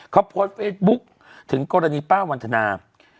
เขาโพสต์เฟซบุ๊คถึงกรณีป้าวันทนา